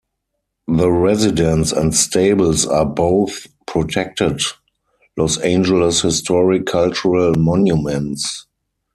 The residence and stables are both protected Los Angeles Historic-Cultural Monuments.